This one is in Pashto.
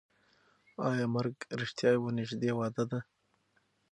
ایا مرګ رښتیا یوه نږدې وعده ده؟